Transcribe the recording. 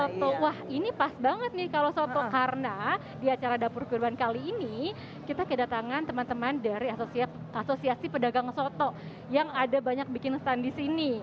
soto wah ini pas banget nih kalau soto karena di acara dapur kurban kali ini kita kedatangan teman teman dari asosiasi pedagang soto yang ada banyak bikin stand di sini